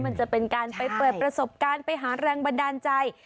มันจะเป็นการไปเปิดประสบการณ์ไปหาแรงบันดาลใจ